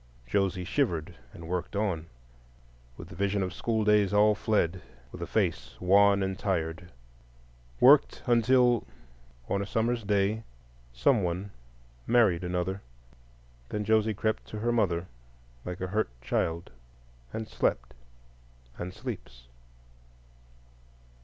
Josie shivered and worked on, with the vision of schooldays all fled, with a face wan and tired,—worked until, on a summer's day, some one married another; then Josie crept to her mother like a hurt child, and slept—and sleeps.